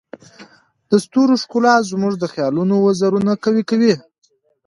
د ستورو ښکلا زموږ د خیالونو وزرونه قوي کوي.